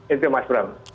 itu mas bram